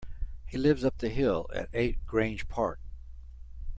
He lives up the hill, at eight Grange Park